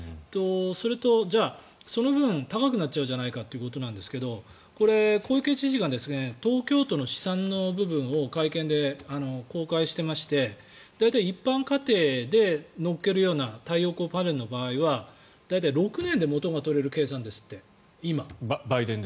それと、その分高くなっちゃうじゃないかということですがこれ、小池知事が東京都の試算の部分を会見で公開していまして大体、一般家庭で乗っけるような太陽光パネルの場合は大体６年で元が取れる計算ですって今。